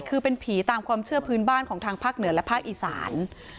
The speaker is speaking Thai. คือเป็นผีตามความเชื่อพื้นบ้านของทางภาคเหนือและภาคอีสาน